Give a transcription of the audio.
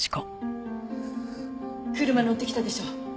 車乗ってきたでしょ？